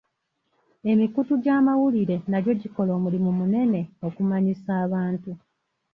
Emikutu gy'amawulire nagyo gikola omulimu munene okumanyisa abantu.